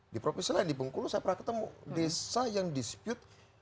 di provinsi lain di bengkulu saya pernah ketemu desa yang dispute